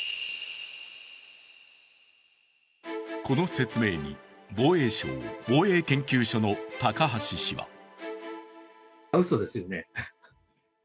この説明に、防衛省防衛研究所の高橋氏は。